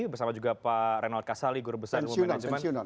bersama juga pak reynold kasali guru besar ilmu manajemen